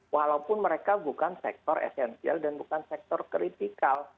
walaupun mereka bukan sektor esensial dan bukan sektor kritikal